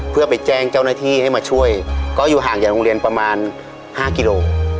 เพื่อไปแจ้งเจ้าหน้าที่ให้มาช่วยก็อยู่ห่างจากโรงเรียนประมาณ๕กิโล